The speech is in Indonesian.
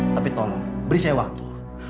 tapi tolong beri saya waktu